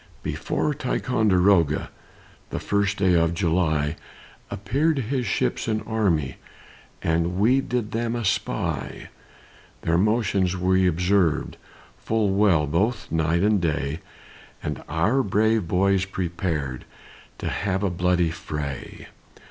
Before Ticonderoga, The first day of July, Appeared his ships and army, And we did them espy. Their motions we observed, Full well both night and day, And our brave boys prepared To have a bloody fray.